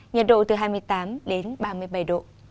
nhiệt độ từ hai mươi tám đến ba mươi bảy độ